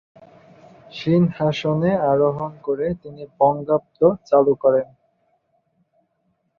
সিংহাসনে আরোহণ করে তিনি "বঙ্গাব্দ" চালু করেন।